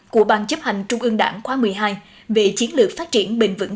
của ban chấp hành trung ương đảng khóa một mươi hai về chiến lược phát triển bền vững